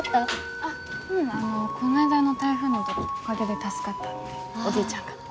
あっううんあのこないだの台風の時おかげで助かったっておじいちゃんが。